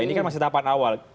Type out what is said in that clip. ini kan masih tahapan awal